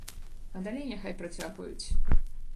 А далей няхай працягваюць.